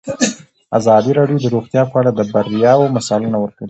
ازادي راډیو د روغتیا په اړه د بریاوو مثالونه ورکړي.